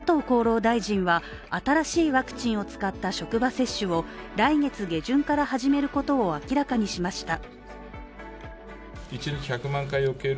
また、加藤厚労大臣は、新しいワクチンを使った職場接種を来月下旬から始めることを明らかにしました。